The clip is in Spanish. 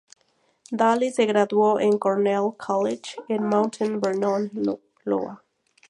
Daly se graduó en Cornell College en Mount Vernon, Iowa.